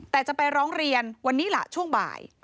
แต่จะไปร้องเรียนวันนี้ล่ะช่วงบ่าย